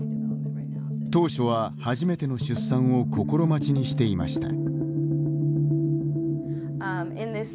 当初は、初めての出産を心待ちにしていました。